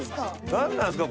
なんなんですか？